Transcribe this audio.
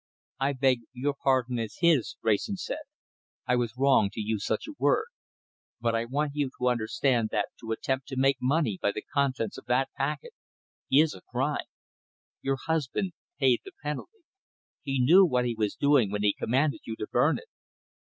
"I beg your pardon and his," Wrayson said. "I was wrong to use such a word. But I want you to understand that to attempt to make money by the contents of that packet is a crime! Your husband paid the penalty. He knew what he was doing when he commanded you to burn it."